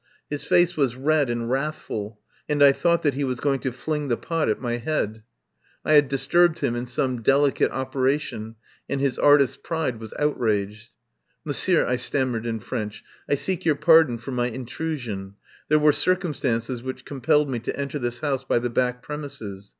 His face was red and wrathful, and I thought that he was going to fling the pot at my head. I had disturbed him in some deli 179 THE POWER HOUSE cate operation, and his artist's pride was out raged. "Monsieur," I stammered in French, "I seek your pardon for my intrusion. There were circumstances which compelled me to enter this house by the back premises.